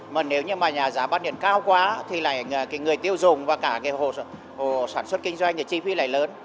mà nếu như mà nhà giá bán điện cao quá thì lại cái người tiêu dùng và cả cái hồ sản xuất kinh doanh thì chi phí lại lớn